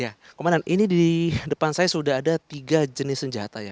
ya komandan ini di depan saya sudah ada tiga jenis senjata ya